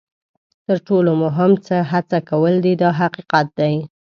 تر ټولو مهم څه هڅه کول دي دا حقیقت دی.